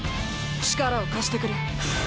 力を貸してくれ。